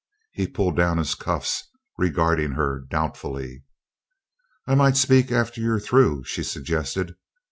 He pulled down his cuffs, regarding her doubtfully. "I might speak after you're through," she suggested.